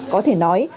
có thể nói